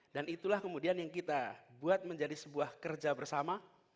dan itulah kemudian yang kita buat menjadi sebuah kerja bersama